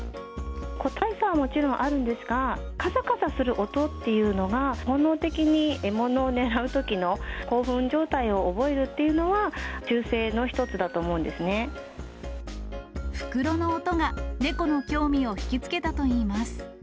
個体差はもちろんあるんですが、かさかさする音っていうのが、本能的に獲物を狙うときの興奮状態を覚えるっていうのは、袋の音が猫の興味を引きつけたといいます。